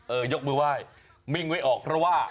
ยกมือไหว้มิ่งไว้ออกเพราะว่า